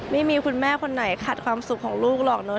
ไม่มีคุณแม่คนไหนขัดความสุขของลูกหรอกเนอ